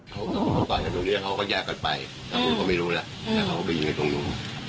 เขาก็ต่อยกันตรงนี้เขาก็แยกกันไปเขาไม่รู้แล้วแล้วเขาก็ไปยิงกันตรงนู้น